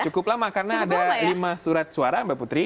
cukup lama karena ada lima surat suara mbak putri